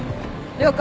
了解。